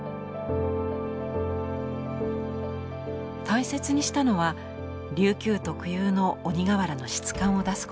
大切にしたのは琉球特有の鬼瓦の質感を出すこと。